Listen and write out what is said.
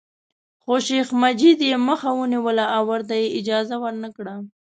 خو شیخ مجید یې مخه ونیوله او ورته یې اجازه ورنکړه.